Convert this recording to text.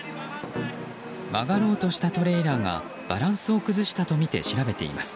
曲がろうとしたトレーラーがバランスを崩したとみて調べています。